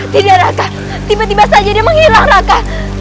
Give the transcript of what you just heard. tidak raka tiba tiba saja dia menghilang raka